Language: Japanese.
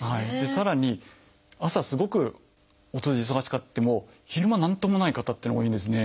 さらに朝すごくお通じ忙しくても昼間何ともない方っていうのが多いんですね。